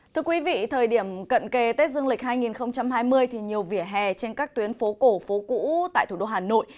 thưa quý vị thời điểm cận kề tết dương lịch hai nghìn hai mươi thì nhiều vỉa hè trên các tuyến phố cổ phố cũ tại thủ đô hà nội